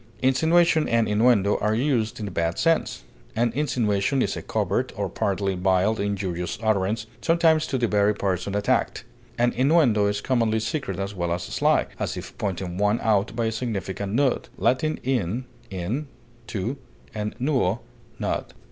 Insinuation and innuendo are used in the bad sense; an insinuation is a covert or partly veiled injurious utterance, sometimes to the very person attacked; an innuendo is commonly secret as well as sly, as if pointing one out by a significant nod (L. in, in, to, and nuo, nod).